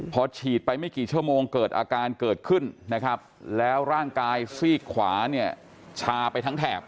พอฉีดไปไม่กี่ชั่วโมงเกิดอาการเกิดขึ้นนะครับแล้วร่างกายซีกขวาเนี่ยชาไปทั้งแถบ